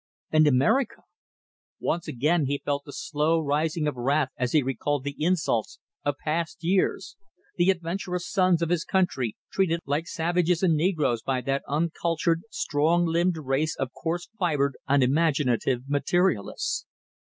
And America! Once again he felt the slow rising of wrath as he recalled the insults of past years ... the adventurous sons of his country treated like savages and negroes by that uncultured, strong limbed race of coarse fibered, unimaginative materialists.